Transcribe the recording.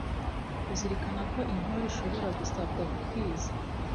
kuzirikana ko intore ishobora gusabwa gukwiza